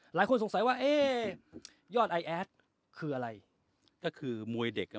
หลายคนสงสัยว่าเอ๊ะยอดไอแอดคืออะไรก็คือมวยเด็กอ่ะ